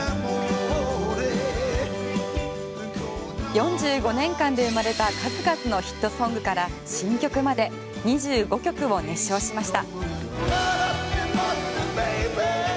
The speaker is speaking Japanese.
４５年間で生まれた数々のヒットソングから新曲まで２５曲を熱唱しました。